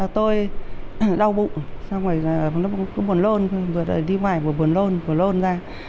tôi đau bụng xong rồi cũng buồn lôn đi ngoài buồn lôn buồn lôn ra